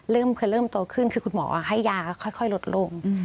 เริ่มโตขึ้นคือคุณหมอให้ยาค่อยลดลง